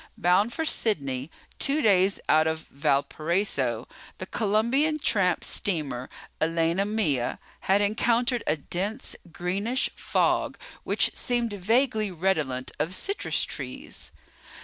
Bound for Sydney, two days out of Valparaiso, the Colombian tramp steamer Elena Mia had encountered a dense greenish fog which seemed vaguely redolent of citrus trees.